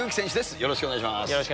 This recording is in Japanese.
よろしくお願いします。